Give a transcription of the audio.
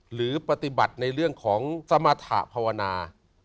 หรือปฏิบัติในเรื่องของสมรรถะภาวนา